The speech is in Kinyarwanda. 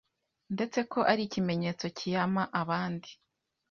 ndetse ko ari ikimenyetso kiyama abandi